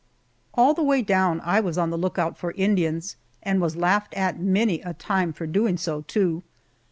All the way down I was on the lookout for Indians, and was laughed at many a time for doing so, too.